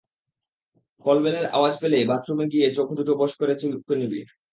কলবেলের আওয়াজ পেলেই বাথরুমে গিয়ে চোখ দুটো বেশ করে চুলকে নিবি।